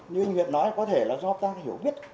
như anh nguyệt nói có thể là do ta hiểu biết